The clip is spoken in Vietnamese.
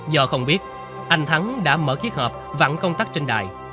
do không biết anh thắng đã mở cái hộp vắng công tắc trên đài